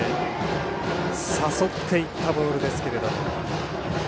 誘っていったボールですけれども。